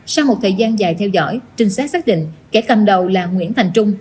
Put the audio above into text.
sau một thời gian dài theo dõi trinh sát xác định kẻ cầm đầu là nguyễn thành trung